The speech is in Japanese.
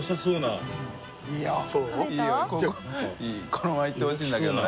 このままいってほしいんだけどね